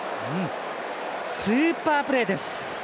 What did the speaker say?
スーパープレーです！